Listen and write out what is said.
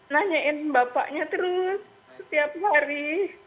nanyain bapaknya terus setiap hari